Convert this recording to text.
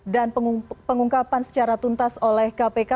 dan pengungkapan secara tuntas oleh kpk